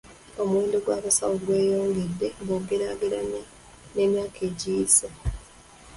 Omuwendo gw'abasawo gweyongedde bw'ogeraageranya n'emyaka egiyise.